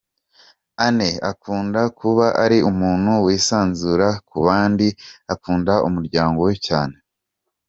Anne akunda kuba ari umuntu wisanzura ku bandi ,akunda umuryango we cyane.